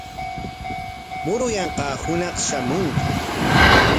Muruyanqaa hunaq shamunki.